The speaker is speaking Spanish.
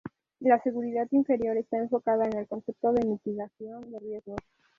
La seguridad interior está enfocada en el concepto de mitigación de riesgos.